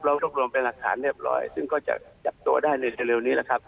รวบรวมเป็นหลักฐานเรียบร้อยซึ่งก็จะจับตัวได้ในเร็วนี้แหละครับ